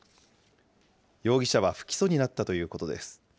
容疑者は不起訴になったということです。